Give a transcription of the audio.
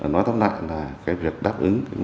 nói tóm lại là cái việc đáp ứng